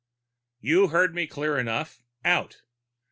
"You heard me clear enough. _Out.